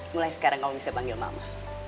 mulai sekarang kamu bisa panggil mama